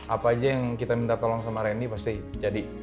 apa aja yang kita minta tolong sama reni pasti jadi